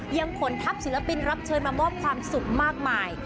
ยังขนทัพศิลปินรับเชิญมามอบความสุขมากมาย